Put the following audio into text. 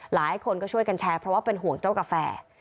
หลายคนก็ช่วยกันแชร์เพราะว่าเป็นห่วงเจ้ากาแฟ